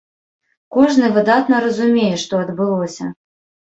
Кожны выдатна разумее, што адбылося.